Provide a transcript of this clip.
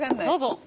どうぞ。